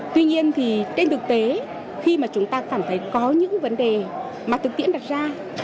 tuy nhiên thì trên thực tế khi mà chúng ta cảm thấy có những vấn đề mà thực tiễn đặt ra